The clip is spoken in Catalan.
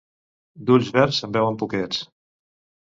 D'ulls verds se'n veuen poquets.